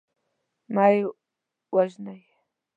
مه یې وژنی.